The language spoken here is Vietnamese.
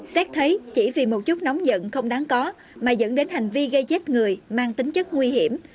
xét thấy chỉ vì một chút nóng dẫn không đáng có mà dẫn đến hành vi gây chết người mang tính chất nguy hiểm